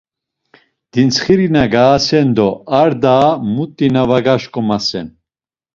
Dintsxiri na gaasen do ar daa muti na va gaşǩomasen!